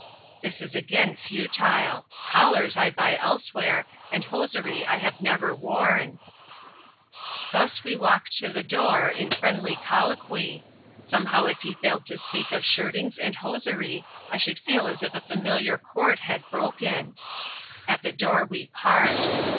This is again futile. Collars I buy elsewhere and hosiery I have never worn. Thus we walk to the door, in friendly colloquy. Somehow if he failed to speak of shirtings and hosiery, I should feel as if a familiar cord had broken; At the door we part.